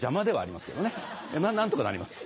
まぁ何とかなります